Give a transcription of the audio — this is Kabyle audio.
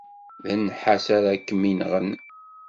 D nnḥas ara kem-inɣen.